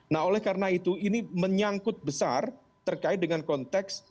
nah oleh karena itu ini menyangkut besar terkait dengan konteks